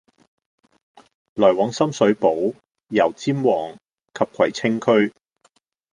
來往深水埗、油尖旺及葵青區。